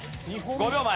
５秒前。